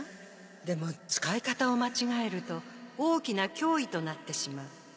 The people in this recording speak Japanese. でも使い方を間違えると大きな脅威となってしまう。